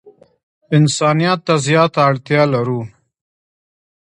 انسانیت ته زیاته اړتیا لرو.